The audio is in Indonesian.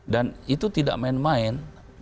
dan itu tidak main main